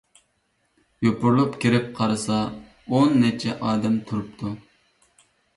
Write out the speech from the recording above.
يوپۇرۇلۇپ كىرىپ قارىسا، ئون نەچچە ئادەم تۇرۇپتۇ.